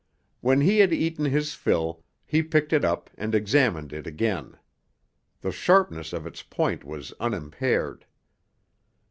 When he had eaten his fill he picked it up and examined it again. The sharpness of its point was unimpaired.